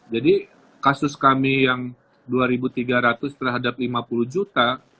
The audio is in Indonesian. jadi kasus kami yang dua ribu tiga ratus terhadap lima puluh juta